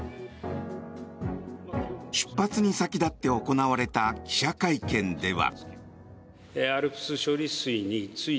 出発に先立って行われた記者会見では。